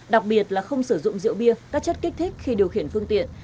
đặc biệt là không sử dụng rượu bia các chất kích thích khi điều khiển phương tiện